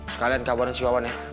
sekalian kabarin si wawan ya